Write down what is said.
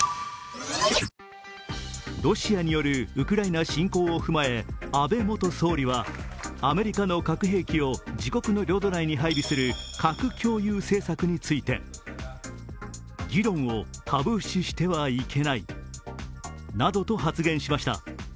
ロシアによるウクライナ侵攻を踏まえ安倍元総理は、アメリカの核兵器を自国の領土内に配備する核共有政策について議論をタブー視してはいけないなどと発言しました。